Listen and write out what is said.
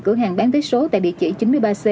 cửa hàng bán vé số tại địa chỉ chín mươi ba c